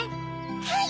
はい！